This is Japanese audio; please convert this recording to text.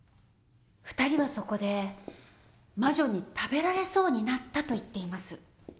２人はそこで魔女に食べられそうになったと言っています。